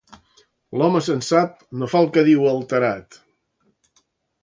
L'home sensat no fa el que diu alterat.